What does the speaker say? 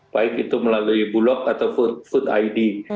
baik itu melalui bulog atau food id